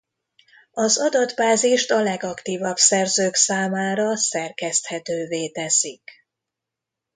Az adatbázist a legaktívabb szerzők számára szerkeszthetővé teszik.